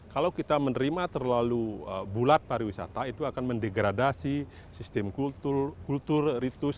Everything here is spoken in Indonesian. kalau kita menerima terlalu bulat pariwisata itu akan mendegradasi sistem kultur ritus